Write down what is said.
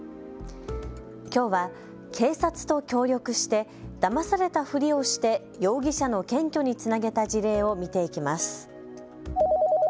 きょうは警察と協力してだまされたふりをして容疑者の検挙につなげた事例を見ていきます。